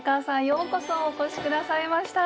ようこそお越し下さいました。